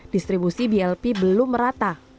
distribusi blp belum merata